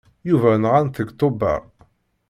Yuba nɣan-t deg Tubeṛ.